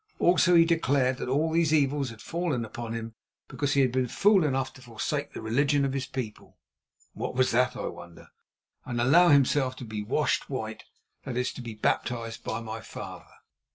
Also he declared that all these evils had fallen upon him because he had been fool enough to forsake the religion of his people (what was that, I wonder), and allow himself to be "washed white," that is, be baptised, by my father.